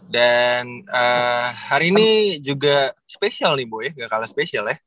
dan hari ini juga spesial nih boh ya gak kalah spesial ya